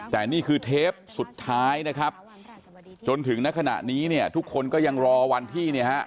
แต่นี่คือเทปสุดท้ายจนถึงนักขณะนี้ทุกคนก็ยังรอวันที่